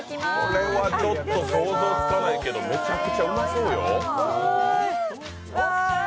これは想像つかないけどめちゃくちゃうまそうよ。